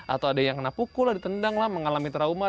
atau ada yang kena pukul ada tendang lah mengalami trauma